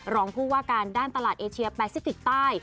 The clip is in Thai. รองผู้ว่าการด้านตลาดเอเชียแปซิติกใต้